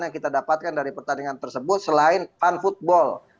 yang kita dapatkan dari pertandingan tersebut selain fun football